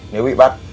nếu bị bắt